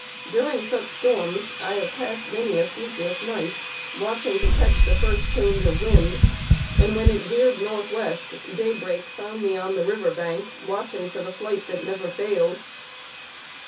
During such storms, I have passed many a sleepless night watching to catch the first change of wind, and when it veered northwest, daybreak found me on the river bank watching for the flight that never failed.